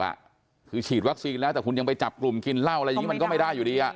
ว่าคุณฉีดวัคซีนแล้วแต่คุณไปจับกลุ่มกินเหล้าอะไรนี่ก็ไม่ได้อยู่ดี